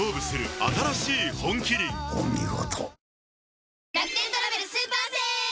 お見事。